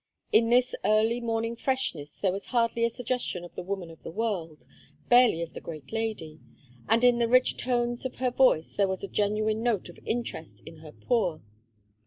In this early morning freshness there was hardly a suggestion of the woman of the world, barely of the great lady; and in the rich tones of her voice there was a genuine note of interest in her poor.